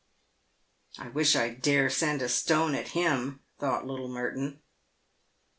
" I wish I dare send a stone at him," thought little Merton. .